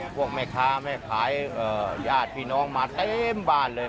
พวกแม่ค้าแม่ขายญาติพี่น้องมาเต็มบ้านเลย